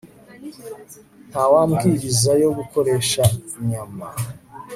Nta Mabwiriza yo Gukoresha Inyama